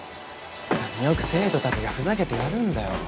よく生徒達がふざけてやるんだよ